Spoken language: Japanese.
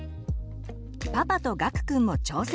パパとがくくんも挑戦！